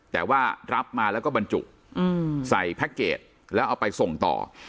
แต่ว่ารับมาแล้วก็บรรจุอืมใส่แล้วเอาไปส่งต่อ